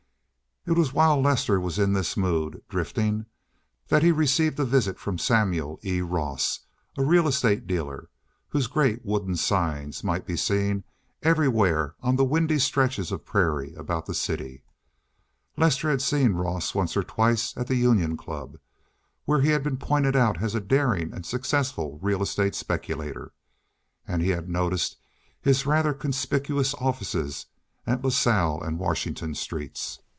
It was while Lester was in this mood, drifting, that he received a visit from Samuel E. Ross, a real estate dealer, whose great, wooden signs might be seen everywhere on the windy stretches of prairie about the city. Lester had seen Ross once or twice at the Union Club, where he had been pointed out as a daring and successful real estate speculator, and he had noticed his rather conspicuous offices at La Salle and Washington streets.